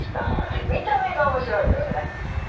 見た目がおもしろいんですよね